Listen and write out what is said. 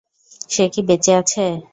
সে কি বেঁচে আছে?